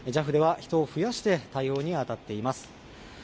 ＪＡＦでは人を増やして対応に当たっています。